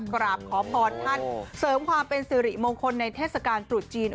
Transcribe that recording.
กราบขอพรท่านเสริมความเป็นสิริมงคลในเทศกาลตรุษจีน